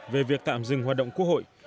về việc tạm dừng hoạt động quốc hội